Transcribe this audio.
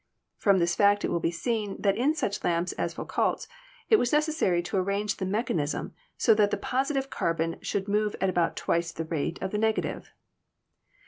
From this fact it will be seen that in such lamps as Foucault's it was necessary to arrange the mechanism so that the positive carbon should move at about twice the rate of the negative.